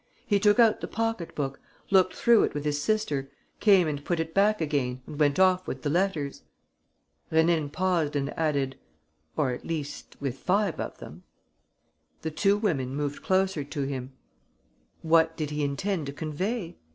He took out the pocket book, looked through it with his sister, came and put it back again and went off with the letters." Rénine paused and added, "Or, at least, with five of them." The two women moved closer to him. What did he intend to convey?